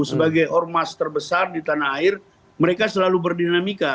sebagai ormas terbesar di tanah air mereka selalu berdinamika